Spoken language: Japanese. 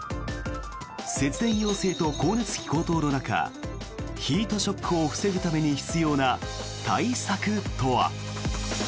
節電要請と光熱費高騰の中ヒートショックを防ぐために必要な対策とは。